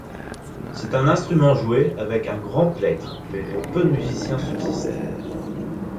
C'est un instrument joué avec un grand plectre, mais dont peu de musiciens subsistent.